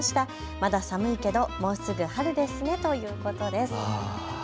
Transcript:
まだ寒いけどもうすぐ春ですねということです。